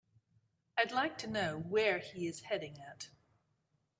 I'd like to know where he is heading at.